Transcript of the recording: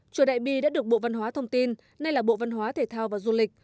chùa đại bi đã được bộ văn hóa thông tin nay là bộ văn hóa thể thao và du lịch